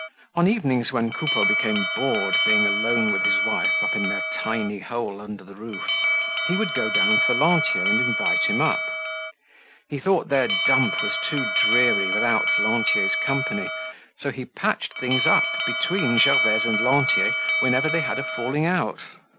On evenings when Coupeau became bored being alone with his wife up in their tiny hole under the roof, he would go down for Lantier and invite him up. He thought their dump was too dreary without Lantier's company so he patched things up between Gervaise and Lantier whenever they had a falling out.